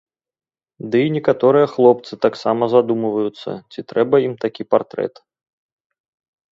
Ды і некаторыя хлопцы таксама задумваюцца ці трэба ім такі партрэт.